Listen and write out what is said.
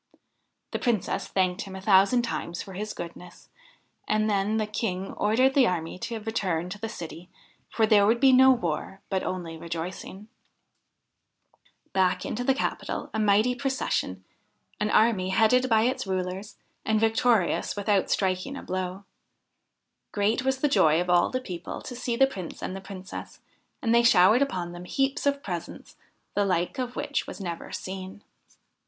The Princess thanked him a thousand times for his goodness, and then the King ordered the army to return to the city, for there would be no war, but only rejoicing. 60 THE HIND OF THE WOOD Back into the capital, a mighty procession an army headed by its rulers, and victorious without striking a blow. Great was the joy of all the people to see the Prince and the Princess, and they showered upon them heaps of presents the like of which was never seen.